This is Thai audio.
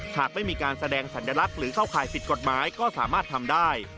หากไม่มีการแสดงสัญลักษณ์หรือเข้าข่ายผิดกฎหมายก็สามารถทำได้